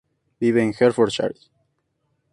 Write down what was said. Vive en Hertfordshire.